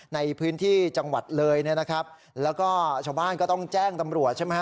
ในพื้นที่จังหวัดเลยเนี่ยนะครับแล้วก็ชาวบ้านก็ต้องแจ้งตำรวจใช่ไหมฮะ